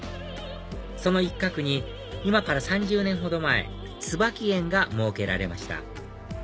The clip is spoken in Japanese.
その一角に今から３０年ほど前ツバキ園が設けられました